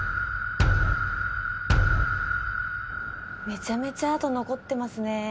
めちゃめちゃ痕残ってますねえ。